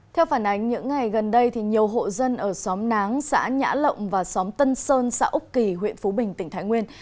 theo phản ánh những ngày gần đây nhiều hộ dân ở xóm náng xã nhã lộng và xóm tân sơn xã úc kỳ huyện phú bình tỉnh thái nguyên